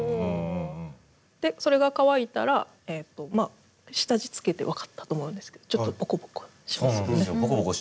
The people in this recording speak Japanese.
でそれが乾いたら下地つけて分かったと思うんですけどちょっとボコボコしますよね。